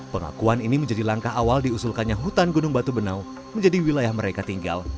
pengakuan ini menjadi langkah awal diusulkannya hutan gunung batu benau menjadi wilayah mereka tinggal